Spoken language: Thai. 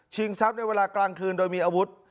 ทรัพย์ในเวลากลางคืนโดยมีอาวุธ